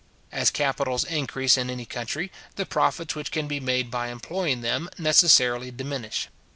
As capitals increase in any country, the profits which can be made by employing them necessarily diminish.